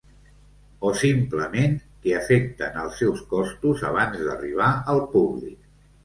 O, simplement, que afecten els seus costos abans d’arribar al públic.